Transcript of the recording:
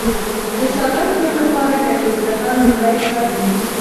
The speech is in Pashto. د سالم ژوند لپاره حفظ الصحه لومړی شرط دی.